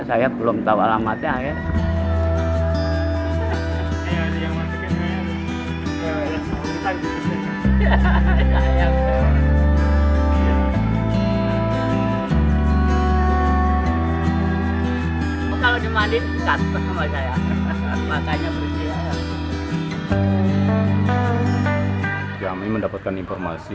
saya belum tahu alamatnya